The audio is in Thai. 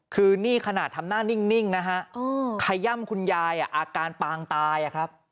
คือนี่ขนาดทำหน้านิ่งนะฮะขย่ำคุณยายอาการปางตายครับ